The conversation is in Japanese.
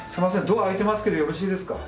ドア開いてますけどよろしいですか？